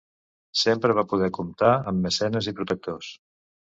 Sempre va poder comptar amb mecenes i protectors.